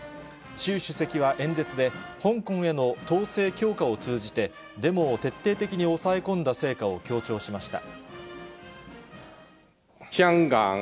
習主席は演説で、香港への統制強化を通じて、デモを徹底的に抑え込んだ成果を強調しました。